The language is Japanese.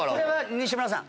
西村さん